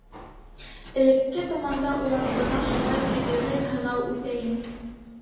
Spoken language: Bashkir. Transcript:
Элекке заманда улар бына шулай тәбиғи һынау үтә ине.